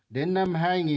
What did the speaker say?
đến năm hai nghìn ba mươi